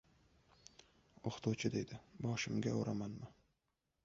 O‘qituvchi deydi. Boshimga uramanmi!